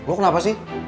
lo kenapa sih